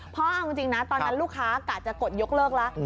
พอเอานะคะลูกค้าก็จะกดยกเลิกแล้ว